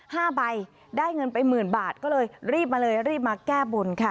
ห้าใบได้เงินไปหมื่นบาทก็เลยรีบมาเลยรีบมาแก้บนค่ะ